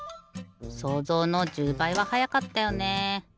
想像の１０ばいははやかったよね。